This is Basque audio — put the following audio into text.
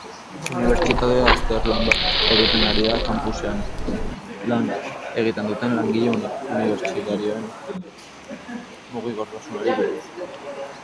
Unibertsitatea azterlan bat egiten ari da campusean lan egiten duten langile unibertsitarioen mugikortasunari buruz.